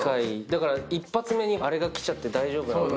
だから１発目にあれがきちゃって大丈夫なのか。